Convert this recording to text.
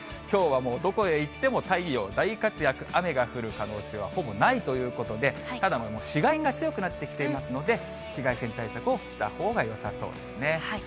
きょうはもう、どこへ行っても太陽大活躍、雨が降る可能性はほぼないということで、ただ、紫外線が強くなってきていますので、紫外線対策をしたほうがよさそうですね。